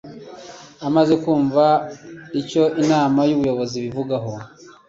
amaze kumva icyo Inama y Ubuyobozi ibivugaho